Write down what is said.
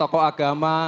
orang yang dipermenbm